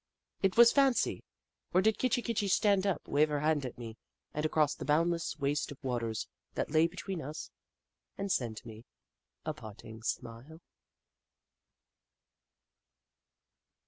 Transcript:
Was it fancy, or did Kitchi Kitchi stand up, wave her hand at me, and across the boundless waste of waters that lay between us, send me a parting smile